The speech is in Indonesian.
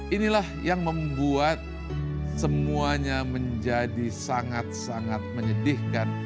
inilah yang membuat semuanya menjadi sangat sangat menyedihkan